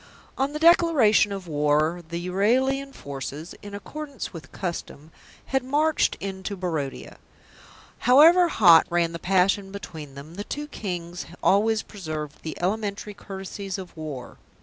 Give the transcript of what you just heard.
On the declaration of war the Euralian forces, in accordance with custom, had marched into Barodia. However hot ran the passion between them, the two Kings always preserved the elementary courtesies of war.